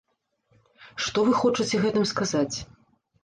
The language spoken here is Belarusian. Што вы хочаце гэтым сказаць?